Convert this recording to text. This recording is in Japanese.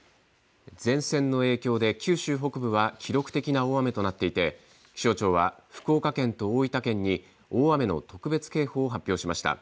前線の影響で九州北部は記録的な大雨となっていて気象庁は福岡県と大分県に大雨の特別警報を発表しました。